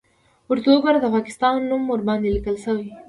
_ورته وګوره! د پاکستان نوم ورباندې ليکل شوی دی.